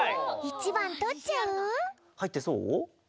１ばんとっちゃう？